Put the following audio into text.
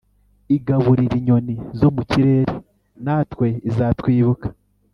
Igaburira inyoni zo mu kirere natwe izatwibuka